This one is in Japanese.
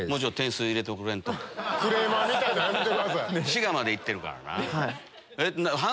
滋賀まで行ってるからな。